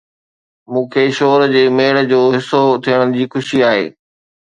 مون کي شور جي ميڙ جو حصو ٿيڻ جي خوشي آهي